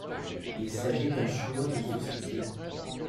Il s’agit d’un choix de société.